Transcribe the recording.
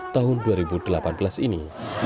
tahun dua ribu delapan belas ini